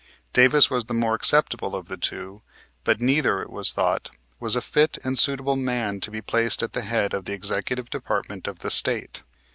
Davis was the more acceptable of the two; but neither, it was thought, was a fit and suitable man to be placed at the head of the executive department of the State.